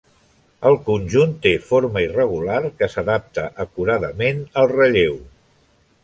El conjunt té forma irregular, que s'adapta acuradament al relleu.